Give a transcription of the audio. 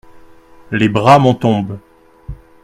Les bras m’en tombent.